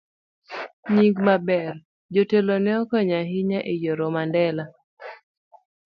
Nying maber. Jotelo ne okonyo ahinya e yiero Mandela